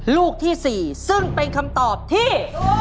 ลูกที่๔ซึ่งเป็นคำตอบที่